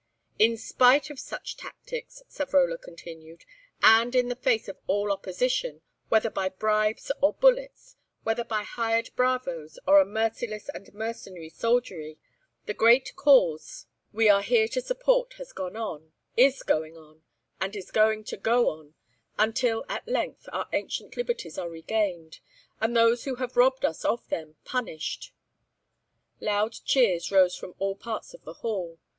"In spite of such tactics," Savrola continued, "and in the face of all opposition, whether by bribes or bullets, whether by hired bravos or a merciless and mercenary soldiery, the great cause we are here to support has gone on, is going on, and is going to go on, until at length our ancient liberties are regained, and those who have robbed us of them punished." Loud cheers rose from all parts of the hall.